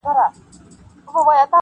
• خان په لور پسي کوله خیراتونه -